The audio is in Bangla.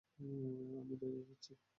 আমি ডেটে যাচ্ছি।